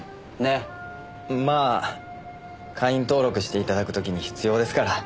まあ会員登録して頂く時に必要ですから。